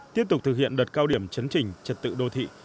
tiếp tục thực hiện đợt cao điểm chấn trình trật tự đô thị